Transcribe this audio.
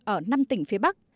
ở năm tỉnh phía bắc